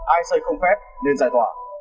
ai xây không phép nên giải tỏa